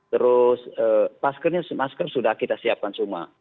terus masker sudah kita siapkan semua